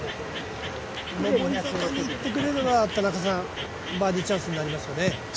上り坂に行ってくれればバーディーチャンスになりますよね。